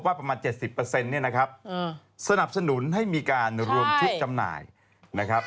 มาประมาณ๗๐นี่นะครับสนับสนุนให้มีการโดนคริสต์จำหน่ายนะครับ